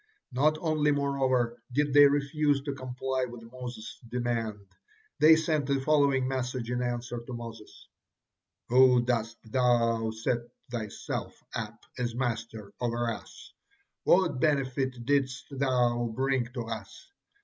Not only, moreover, did they refuse to comply with Moses' demand, they sent the following message in answer to Moses: "Why dost thou set thyself up as master over us? What benefit didst thou bring to us?